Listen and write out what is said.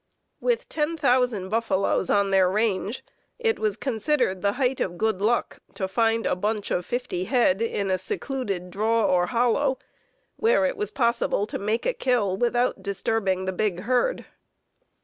With ten thousand buffaloes on their range, it was considered the height of good luck to find a "bunch" of fifty head in a secluded "draw" or hollow, where it was possible to "make a kill" without disturbing the big herd.